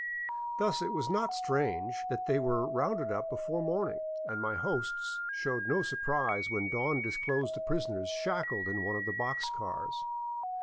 Thus it was not strange that they were rounded up before morning, and my hosts showed no surprise when dawn disclosed the prisoners shackled in one of the box cars.